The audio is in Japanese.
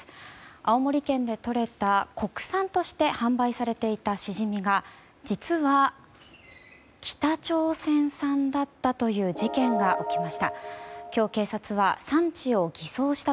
青森県でとれた国産として販売されていたシジミが実は北朝鮮産だったという事件が起きました。